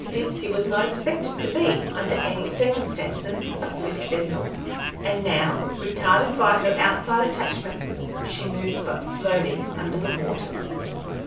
The Dipsey was not expected to be, under any circumstances, a swift vessel, and now, retarded by her outside attachments, she moved but slowly under the waters.